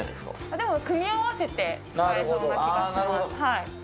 でも組み合わせて使えそうな気がします。